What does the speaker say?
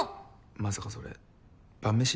まさかそれ晩飯？